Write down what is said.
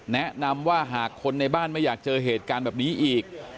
แนะนำว่าหากคนในบ้านไม่อยากเจอเหตุการณ์แบบนี้อีก